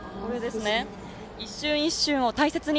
「一瞬、一瞬を大切に。